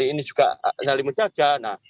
ini juga nali menjaga nah